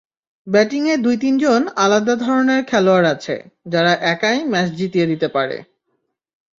ব্যাটিংয়ে দুই-তিনজন আলাদা ধরনের খেলোয়াড় আছে, যারা একাই ম্যাচ জিতিয়ে দিতে পারে।